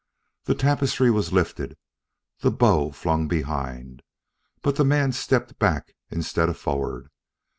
The tapestry was lifted, the bow flung behind, but the man stepped back instead of forward.